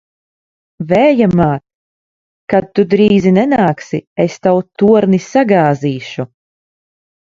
Vēja māt! Kad tu drīzi nenāksi, es tavu torni sagāzīšu!